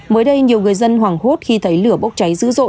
mới đây nhiều người dân hoảng hốt khi thấy lửa bốc cháy dữ dội